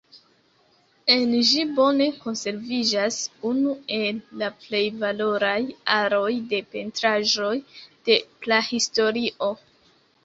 En ĝi bone konserviĝas unu el la plej valoraj aroj de pentraĵoj de Prahistorio.